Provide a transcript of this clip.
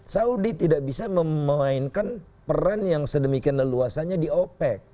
saudi tidak bisa memainkan peran yang sedemikian leluasanya di opec